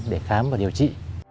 để khám và điều trị